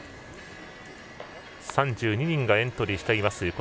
３２人がエントリーしています